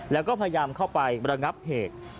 แล้วก็พยายามเข้าไประงับเหตุ